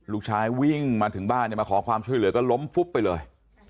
ลูกชายวิ่งมาถึงบ้านมาขอความช่วยเหลือก็ล้มฟุบไปเลย